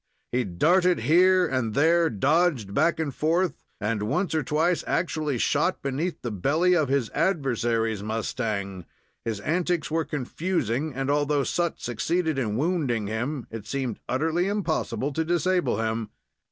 He darted here and there, dodged back and forth, and once or twice actually shot beneath the belly of his adversary's mustang. His antics were confusing, and, although Sut succeeded in wounding him, it seemed utterly impossible to disable him.